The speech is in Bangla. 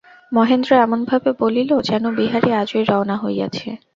–মহেন্দ্র এমনভাবে বলিল, যেন বিহারী আজই রওনা হইয়াছে।